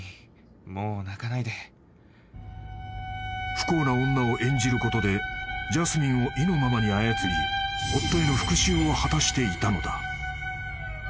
［不幸な女を演じることでジャスミンを意のままに操り夫への復讐を果たしていたのだ］